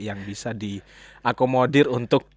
yang bisa diakomodir untuk